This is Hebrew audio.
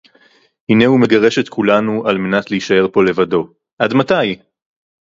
הנהו מגרש את כולנו על־מנת להישאר פה לבדו – עד מתי?!